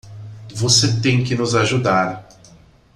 Você tem que nos ajudar.